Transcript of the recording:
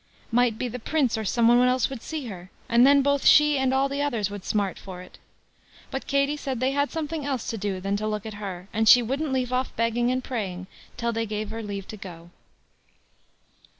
Might be the Prince or some one else would see her, and then both she and all the others would smart for it; but Katie said they had something else to do than to look at her; and she wouldn't leave off begging and praying till they gave her leave to go.